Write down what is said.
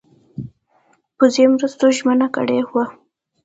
پوځي مرستو ژمنه کړې وه.